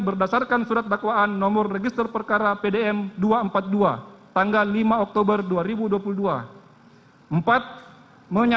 berdasarkan surat dakwaan nomor register perkara pdn dua ratus empat puluh dua